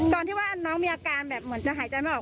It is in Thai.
ตอนที่ว่าน้องมีอาการแบบเหมือนจะหายใจไม่ออก